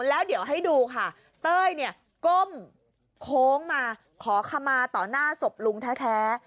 แล้วเดี๋ยวให้ดูค่ะเต้ยเนี่ยก้มโค้งมาขอขมาต่อหน้าศพลุงแท้